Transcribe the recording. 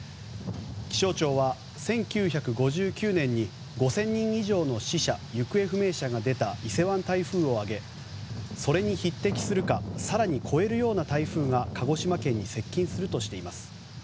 気象庁は１９５９年に５０００人以上の死者・行方不明者が出た伊勢湾台風を挙げそれに匹敵するか更に超えるような台風が鹿児島県に接近するとしています。